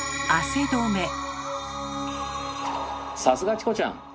さすがチコちゃん！